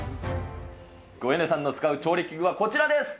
およねさんの使う調理器具はこちらです。